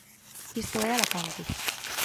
Isto é Alacante.